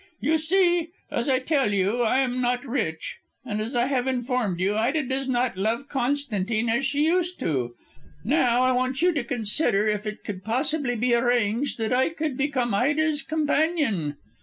"You see, as I tell you, I am not rich, and as I have informed you, Ida does not love Constantine as she used to. Now, I want you to consider if it could possibly be arranged that I could become Ida's companion."